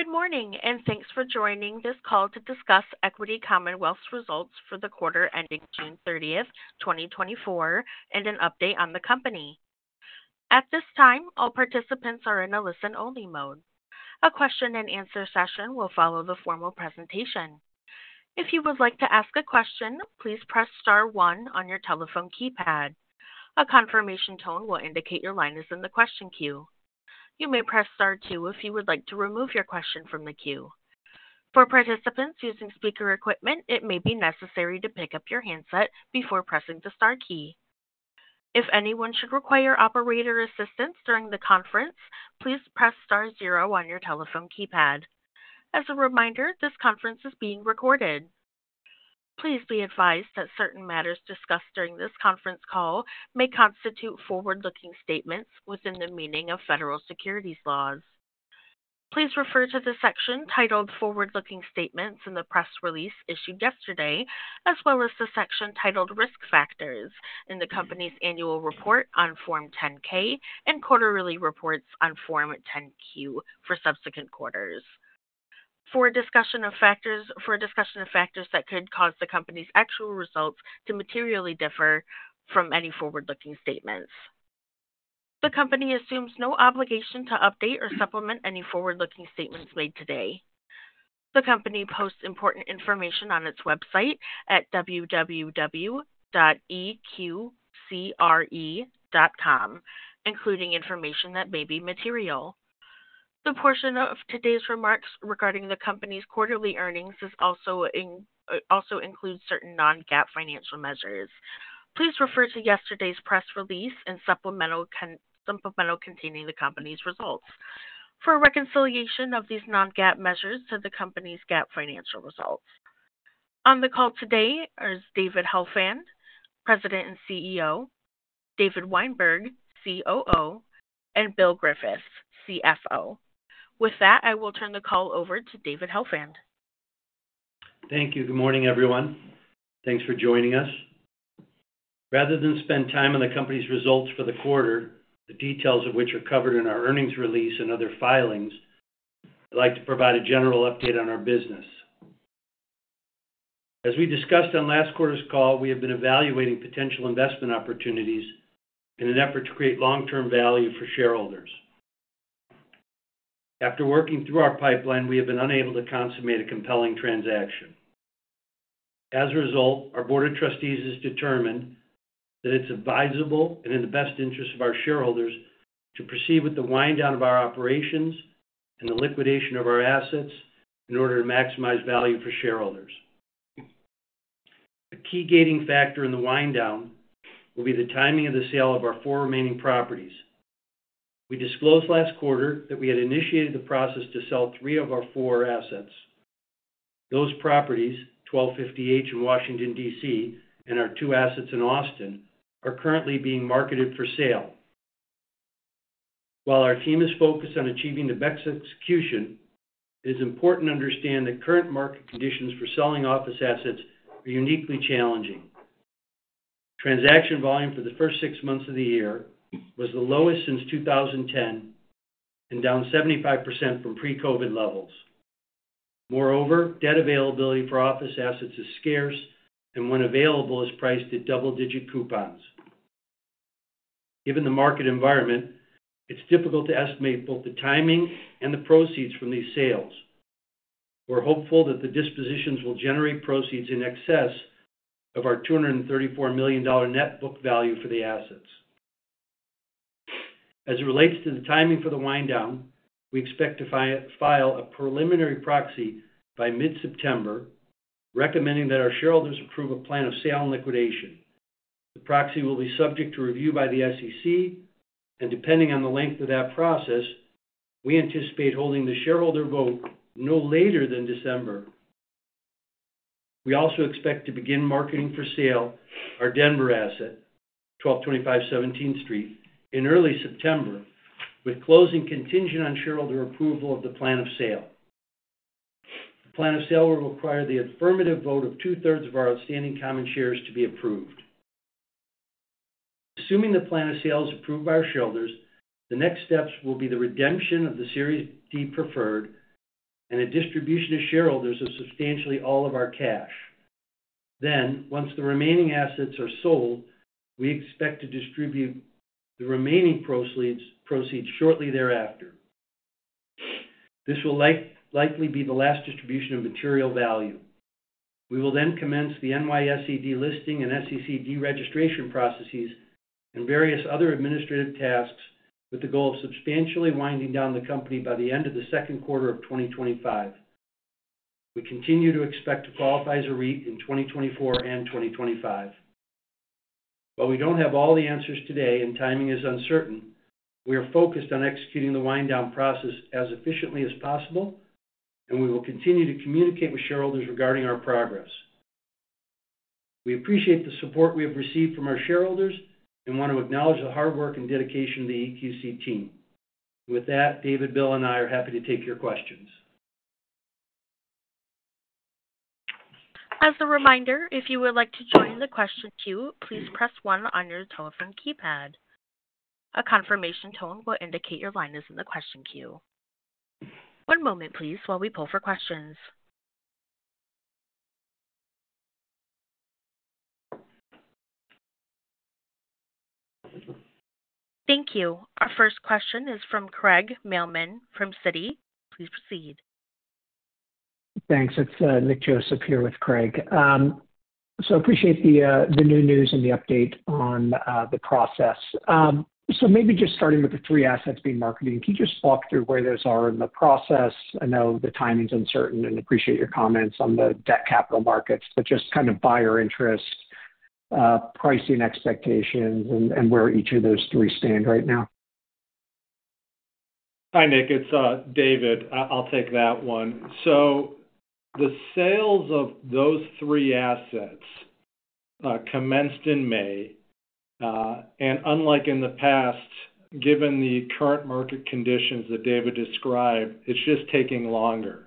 Good morning, and thanks for joining this call to discuss Equity Commonwealth's results for the quarter ending June 30th, 2024, and an update on the company. At this time, all participants are in a listen-only mode. A question-and-answer session will follow the formal presentation. If you would like to ask a question, please press Star one on your telephone keypad. A confirmation tone will indicate your line is in the question queue. You may press Star two if you would like to remove your question from the queue. For participants using speaker equipment, it may be necessary to pick up your handset before pressing the Star key. If anyone should require operator assistance during the conference, please press Star zero on your telephone keypad. As a reminder, this conference is being recorded. Please be advised that certain matters discussed during this conference call may constitute forward-looking statements within the meaning of federal securities laws. Please refer to the section titled "Forward-Looking Statements" in the press release issued yesterday, as well as the section titled "Risk Factors" in the company's annual report on Form 10-K and quarterly reports on Form 10-Q for subsequent quarters, for a discussion of factors that could cause the company's actual results to materially differ from any forward-looking statements. The company assumes no obligation to update or supplement any forward-looking statements made today. The company posts important information on its website at www.eqcre.com, including information that may be material. The portion of today's remarks regarding the company's quarterly earnings also includes certain non-GAAP financial measures. Please refer to yesterday's press release and supplemental containing the company's results for reconciliation of these non-GAAP measures to the company's GAAP financial results. On the call today are David Helfand, President and CEO, David Weinberg, COO, and Bill Griffiths, CFO. With that, I will turn the call over to David Helfand. Thank you. Good morning, everyone. Thanks for joining us. Rather than spend time on the company's results for the quarter, the details of which are covered in our earnings release and other filings, I'd like to provide a general update on our business. As we discussed on last quarter's call, we have been evaluating potential investment opportunities in an effort to create long-term value for shareholders. After working through our pipeline, we have been unable to consummate a compelling transaction. As a result, our Board of Trustees has determined that it's advisable and in the best interest of our shareholders to proceed with the wind-down of our operations and the liquidation of our assets in order to maximize value for shareholders. A key gating factor in the wind-down will be the timing of the sale of our four remaining properties. We disclosed last quarter that we had initiated the process to sell three of our four assets. Those properties, 1250 H in Washington, D.C., and our two assets in Austin, are currently being marketed for sale. While our team is focused on achieving the BECS execution, it is important to understand that current market conditions for selling office assets are uniquely challenging. Transaction volume for the first six months of the year was the lowest since 2010 and down 75% from pre-COVID levels. Moreover, debt availability for office assets is scarce, and when available, is priced at double-digit coupons. Given the market environment, it's difficult to estimate both the timing and the proceeds from these sales. We're hopeful that the dispositions will generate proceeds in excess of our $234 million net book value for the assets. As it relates to the timing for the wind-down, we expect to file a preliminary proxy by mid-September, recommending that our shareholders approve a plan of sale and liquidation. The proxy will be subject to review by the SEC, and depending on the length of that process, we anticipate holding the shareholder vote no later than December. We also expect to begin marketing for sale our Denver asset, 1225 17th Street, in early September, with closing contingent on shareholder approval of the plan of sale. The plan of sale will require the affirmative vote of 2/3 of our outstanding common shares to be approved. Assuming the plan of sale is approved by our shareholders, the next steps will be the redemption of the Series D preferred and a distribution to shareholders of substantially all of our cash. Then, once the remaining assets are sold, we expect to distribute the remaining proceeds shortly thereafter. This will likely be the last distribution of material value. We will then commence the NYSE delisting and SEC deregistration processes and various other administrative tasks with the goal of substantially winding down the company by the end of the second quarter of 2025. We continue to expect to qualify as a REIT in 2024 and 2025. While we don't have all the answers today and timing is uncertain, we are focused on executing the wind-down process as efficiently as possible, and we will continue to communicate with shareholders regarding our progress. We appreciate the support we have received from our shareholders and want to acknowledge the hard work and dedication of the EQC team. With that, David, Bill, and I are happy to take your questions. As a reminder, if you would like to join the question queue, please press one on your telephone keypad. A confirmation tone will indicate your line is in the question queue. One moment, please, while we pull for questions. Thank you. Our first question is from Craig Mailman from Citi. Please proceed. Thanks. It's Nick Joseph here with Craig. So I appreciate the new news and the update on the process. So maybe just starting with the three assets being marketed, can you just walk through where those are in the process? I know the timing's uncertain and appreciate your comments on the debt capital markets, but just kind of buyer interest, pricing expectations, and where each of those three stand right now. Hi, Nick. It's David. I'll take that one. So the sales of those three assets commenced in May, and unlike in the past, given the current market conditions that David described, it's just taking longer.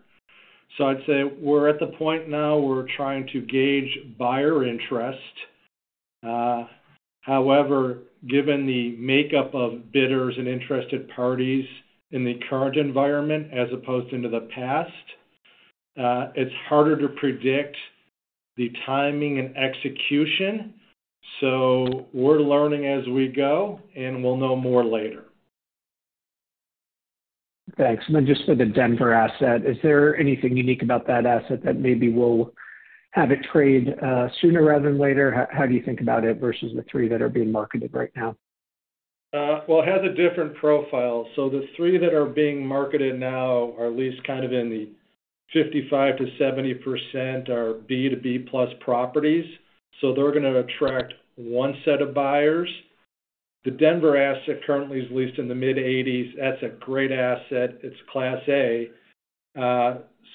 So I'd say we're at the point now where we're trying to gauge buyer interest. However, given the makeup of bidders and interested parties in the current environment as opposed to in the past, it's harder to predict the timing and execution. So we're learning as we go, and we'll know more later. Thanks. And then just for the Denver asset, is there anything unique about that asset that maybe will have it trade sooner rather than later? How do you think about it versus the three that are being marketed right now? Well, it has a different profile. So the three that are being marketed now are at least kind of in the 55%-70% are B to B plus properties. So they're going to attract one set of buyers. The Denver asset currently is leased in the mid-80s. That's a great asset. It's Class A.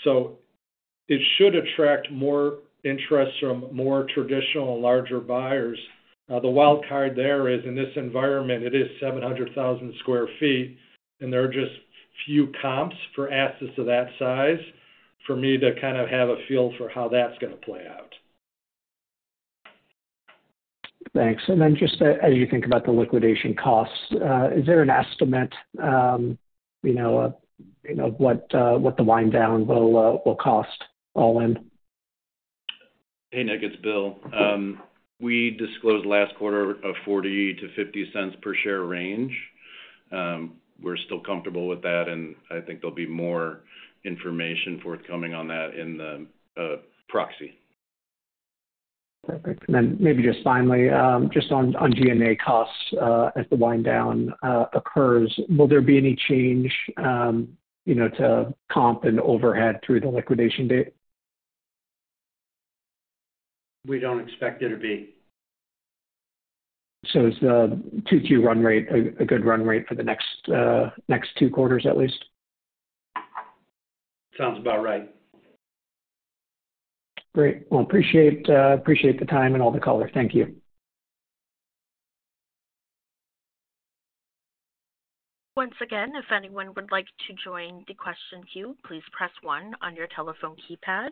So it should attract more interest from more traditional and larger buyers. The wild card there is, in this environment, it is 700,000 sq ft, and there are just few comps for assets of that size for me to kind of have a feel for how that's going to play out. Thanks. And then just as you think about the liquidation costs, is there an estimate of what the wind-down will cost all in? Hey, Nick. It's Bill. We disclosed last quarter a $0.40-$0.50 per share range. We're still comfortable with that, and I think there'll be more information forthcoming on that in the proxy. Perfect. And then maybe just finally, just on G&A costs, if the wind-down occurs, will there be any change to comp and overhead through the liquidation date? We don't expect it to be. Is the 2Q run rate a good run rate for the next two quarters at least? Sounds about right. Great. Well, appreciate the time and all the color. Thank you. Once again, if anyone would like to join the question queue, please press one on your telephone keypad.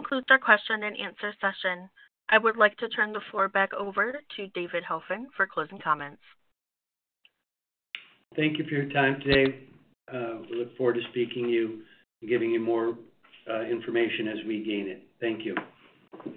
This concludes our question and answer session. I would like to turn the floor back over to David Helfand for closing comments. Thank you for your time today. We look forward to speaking to you and giving you more information as we gain it. Thank you.